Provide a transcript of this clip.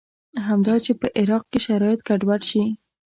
همدا چې په عراق کې شرایط ګډوډ شي.